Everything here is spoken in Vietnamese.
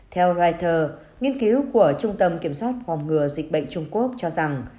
theo reuters nghiên cứu của trung tâm kiểm soát phòng ngừa dịch bệnh trung quốc cho rằng